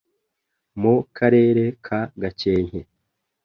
Mu karere ka Gakenke